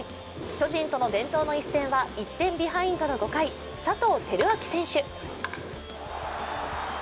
巨人との伝統の一戦は１点ビハインドの５回、佐藤輝明選手